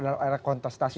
dalam area kontrastasi